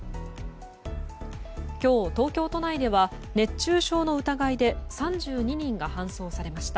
今日、東京都内では熱中症の疑いで３２人が搬送されました。